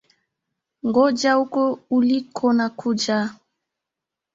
Ngoja uko uliko nakuja.